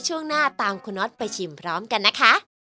ช่วงหน้าตามคุณน็อตไปชิมพร้อมกันนะคะ